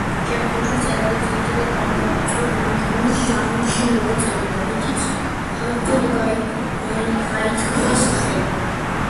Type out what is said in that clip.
შემდგომში მწერალი ძირითადად, დრამატურგიის ჟანრში მოღვაწეობდა, რითიც ფართოდ გაითქვა სახელი.